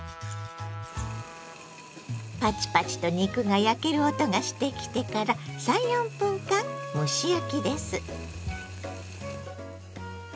パチパチと肉が焼ける音がしてきてから３４分間蒸し焼きです。